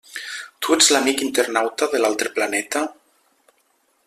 Tu ets l'amic internauta de l'altre planeta?